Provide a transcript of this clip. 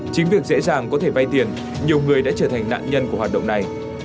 chính việc dễ dàng có thể vay tiền nhiều người đã trở thành nạn nhân của hoạt động này